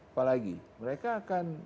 apalagi mereka akan